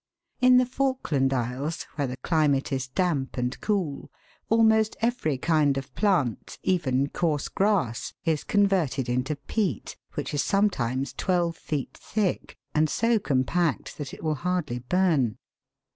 In the Falkland Isles, where the climate is damp and cool, almost every kind of plant, even coarse grass, is con verted into peat, which is sometimes twelve feet thick, and so compact that it will hardly burn.